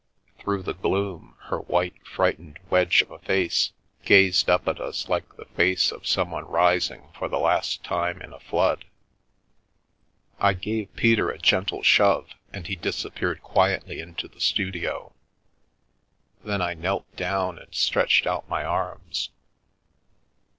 Through the gloom her white, frightened wedge of a face gazed up at us The Milky Way like the face of someone rising for the last time in a flood. I gave Peter a gentle shove, and he disappeared quietly into the studio. Then I knelt down, and stretched out my arms.